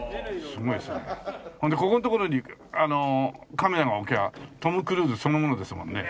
そんでここのところにカメラ置けばトム・クルーズそのものですもんね。